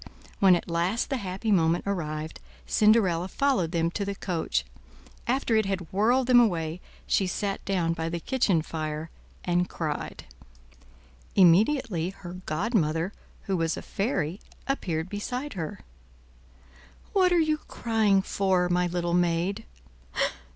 When at last the happy moment arrived, Cinderella followed them to the coach; after it had whirled them away, she sat down by the kitchen fire and cried. Immediately her godmother, who was a fairy, appeared beside her. "What are you crying for, my little maid?"